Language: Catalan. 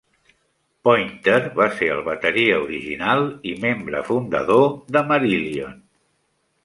Pointer va ser el bateria original i membre fundador de Marillion.